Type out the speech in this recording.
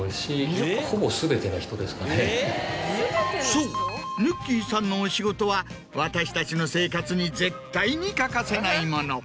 そうぬっきぃさんのお仕事は私たちの生活に絶対に欠かせないもの。